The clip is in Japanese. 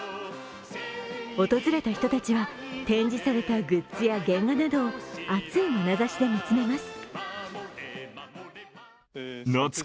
訪れた人たちは展示されたグッズや原画などを熱いまなざしで見つめます。